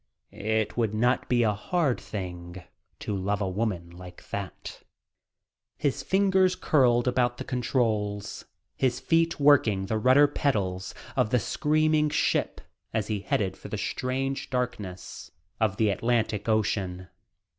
It would not be a hard thing to love a woman like that. His fingers curled about the controls, his feet working the rudder pedals of the screaming ship as he headed for the strange darkness of the Atlantic Ocean.